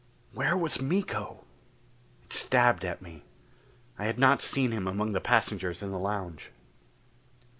Where was Miko? It stabbed at me. I had not seen him among the passengers in the lounge.